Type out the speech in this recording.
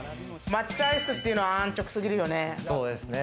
抹茶アイスっていうのは安直すぎるよね。